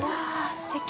◆すてき。